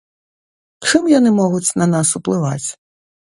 Чым яны могуць на нас уплываць?